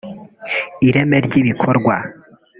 ireme ry’ibikorwa